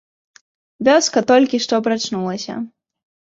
Вёска толькі што прачнулася.